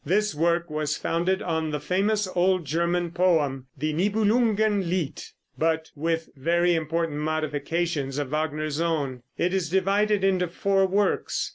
This work was founded on the famous old German poem, "Die Nibelungen Lied," but with very important modifications of Wagner's own. It is divided into four works.